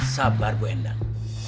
sabar bu endang